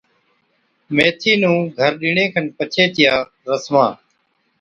ميٿِي نُون گھر ڏِيئڻي کن پڇي چِيا رسمان،